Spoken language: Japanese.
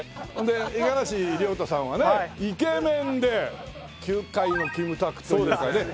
五十嵐亮太さんはねイケメンで「球界のキムタク」というかね